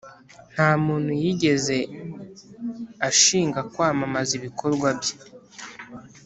Nta muntu yigeze ashinga kwamamaza ibikorwa bye,